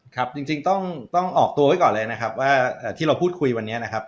ครับจริงต้องออกตัวไว้ก่อนเลยนะครับว่าที่เราพูดคุยวันนี้นะครับ